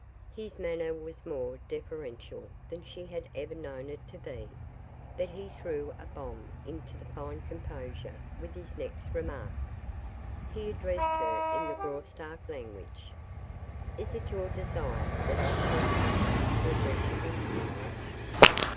His manner was more deferential than she had ever known it to be, but he threw a bomb into her fine composure with his next remark. He addressed her in the Graustark language: "Is it your desire that I shall continue to address you in English?"